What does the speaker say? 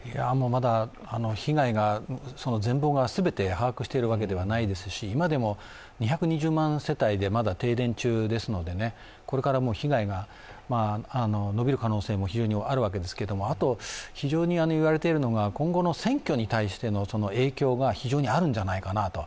まだ被害の全貌をすべて把握しているわけではないですし今でも２２０万世帯でまだ停電中ですのでこれから被害が伸びる可能性もあるわけですけれども、あと非常に言われているのが、今後の選挙に対しての影響が非常にあるんじゃないかなと。